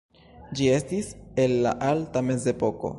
Ĝi estis el la alta mezepoko.